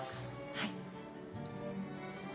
はい。